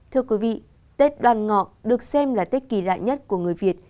thưa quý vị tết đoàn ngọ được xem là tết kỳ lạ nhất của người việt